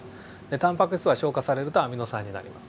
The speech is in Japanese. タンパク質は消化されるとアミノ酸になります。